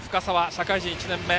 社会人１年目。